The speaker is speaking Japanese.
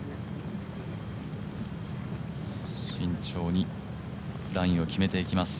慎重にラインを決めていきます。